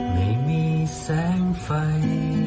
ไม่มีแสงไฟ